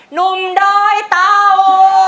หนุ่มตอยเต่า